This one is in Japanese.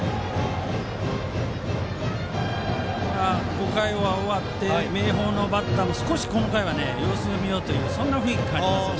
５回が終わって明豊のバッターも少しこの回は様子を見ようという雰囲気を感じます。